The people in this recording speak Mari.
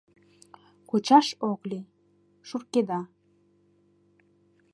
Кучаш ок лий — шуркеда